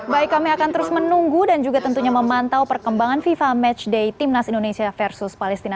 baik kami akan terus menunggu dan juga tentunya memantau perkembangan fifa matchday timnas indonesia versus palestina